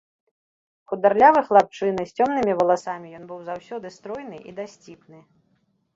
Хударлявы хлапчына, з цёмнымі валасамі, ён быў заўсёды стройны і дасціпны.